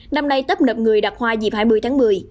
năm nay tấp nập người đặt hoa dịp hai mươi tháng một mươi